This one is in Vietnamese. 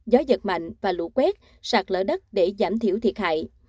gió giật mạnh và lũ quét sạt lở đất để giảm thiểu thiệt hại